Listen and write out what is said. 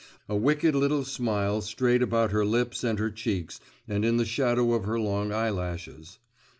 A wicked little smile strayed about her lips and her cheeks and in the shadow of her long eyelashes.